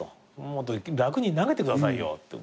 もっと楽に投げてくださいよ」